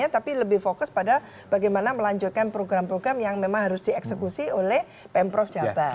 tapi lebih fokus pada bagaimana melanjutkan program program yang memang harus dieksekusi oleh pemprov jabar